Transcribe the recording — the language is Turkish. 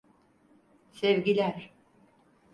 Sevgiler.